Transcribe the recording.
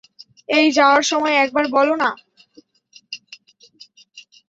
এই, যাওয়ার সময় একবার বলো না।